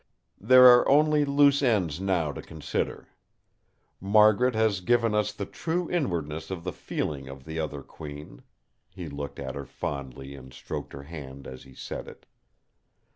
"There are only loose ends now to consider. Margaret has given us the true inwardness of the feeling of the other Queen!" He looked at her fondly, and stroked her hand as he said it.